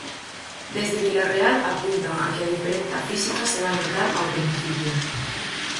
Desde Vilarreal apuntan a que a diferenza física se vai notar ao principio.